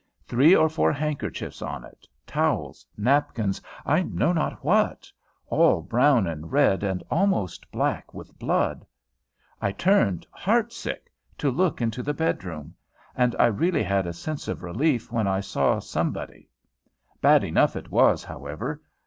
Three or four handkerchiefs on it, towels, napkins, I know not what, all brown and red and almost black with blood! I turned, heart sick, to look into the bedroom, and I really had a sense of relief when I saw somebody. Bad enough it was, however.